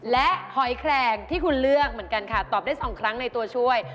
และหอยแคลงที่คุณเลือกเหมือนกันค่ะตอบได้๒ครั้งในตัวช่วย